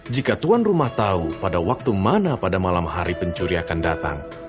jika tuan rumah tahu pada waktu mana pada malam hari pencuri akan datang